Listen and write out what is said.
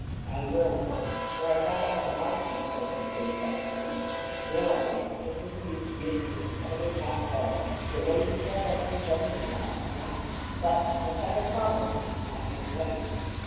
"I will, Tom, for I'd rather have an eye tooth pulled than face that woman. We're all right just as we used to be at school, always half quarreling, yet ready to stand up for each other to the last drop. But I must have her promise in black and white."